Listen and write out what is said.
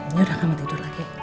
ya udah mama tidur lagi